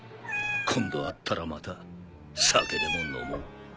今度会ったらまた酒でも飲もう。